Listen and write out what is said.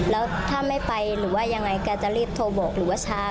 แล้วถ้าไม่ไปหรือว่ายังไงแกจะรีบโทรบอกหรือว่าช้า